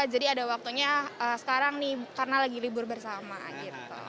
jadi ada waktunya sekarang nih karena lagi libur bersama gitu